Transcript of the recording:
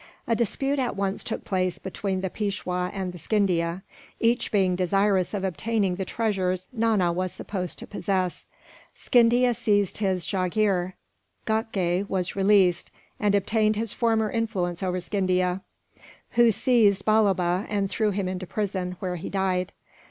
A dispute at once took place between the Peishwa and Scindia, each being desirous of obtaining the treasures Nana was supposed to possess. Scindia seized his jagheer. Ghatgay was released, and obtained his former influence over Scindia; who seized Balloba and threw him into prison, where he died.